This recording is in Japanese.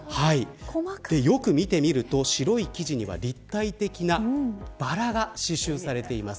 よく見てみると白い生地には立体的なバラが刺しゅうされています。